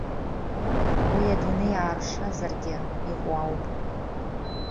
Уи адунеи ааршазаргьы иҟоу ауп.